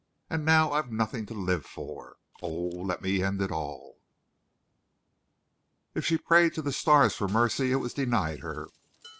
And now I've nothing to live for.... Oh, let me end it all!" If she prayed to the stars for mercy, it was denied her.